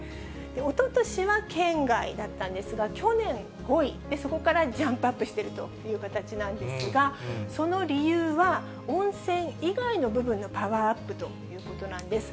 おととしは圏外だったんですが、去年５位、そこからジャンプアップしてるという形なんですが、その理由は、温泉以外の部分のパワーアップということなんです。